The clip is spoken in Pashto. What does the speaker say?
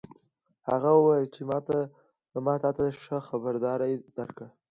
هغه وویل چې ما تا ته ښه خبرداری درکړ